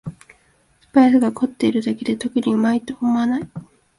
スパイスが凝ってるだけで特にうまいと思わない